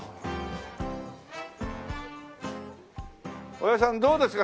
おやじさんどうですか？